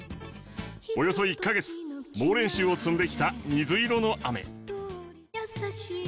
およそ１カ月猛練習を積んできた『みずいろの雨』。